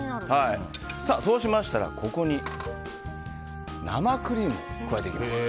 そうしましたら、ここに生クリームを加えます。